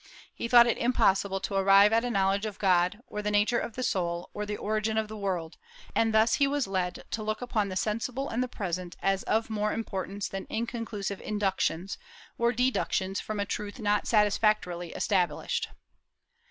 He thought it impossible to arrive at a knowledge of God, or the nature of the soul, or the origin of the world; and thus he was led to look upon the sensible and the present as of more importance than inconclusive inductions, or deductions from a truth not satisfactorily established.